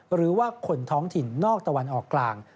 หรือว่าคนท้องถิ่นนอกตะวันออกกลาง